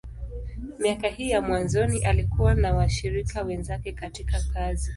Miaka hii ya mwanzoni, alikuwa na washirika wenzake katika kazi.